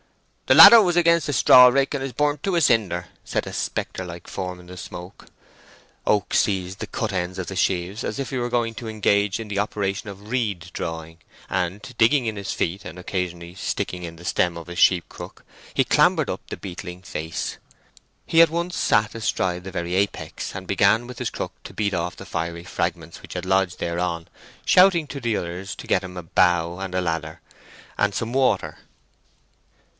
"The ladder was against the straw rick and is burnt to a cinder," said a spectre like form in the smoke. Oak seized the cut ends of the sheaves, as if he were going to engage in the operation of "reed drawing," and digging in his feet, and occasionally sticking in the stem of his sheep crook, he clambered up the beetling face. He at once sat astride the very apex, and began with his crook to beat off the fiery fragments which had lodged thereon, shouting to the others to get him a bough and a ladder, and some water.